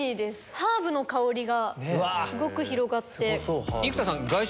ハーブの香りがすごく広がって。